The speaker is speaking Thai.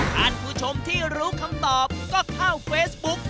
ท่านผู้ชมที่รู้คำตอบก็เข้าเฟซบุ๊ก